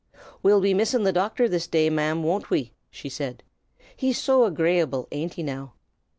"We'll be missin' the docthor this day, ma'm, won't we?" she said. "He's so agrayable, ain't he, now?"